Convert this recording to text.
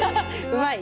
うまい？